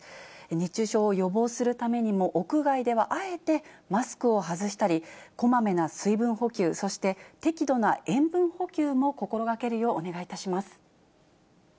熱中症を予防するためにも、屋外ではあえてマスクを外したり、こまめな水分補給、そして適度な塩分補給も心がけるようお願いいたします。